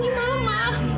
papa di sini mama